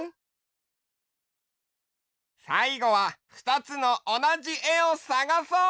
さいごはふたつのおなじえをさがそう！